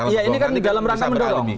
ya ini kan di dalam rangka mendorong